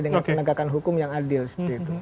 dengan penegakan hukum yang adil seperti itu